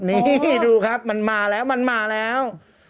นี่ดูครับมันมาแล้วมันมาแล้ว